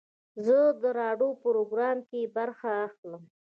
زه د راډیو پروګرام کې برخه اخلم.